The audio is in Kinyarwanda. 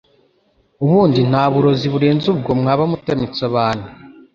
ubundi nta burozi burenze ubwo mwaba mutamitse abantu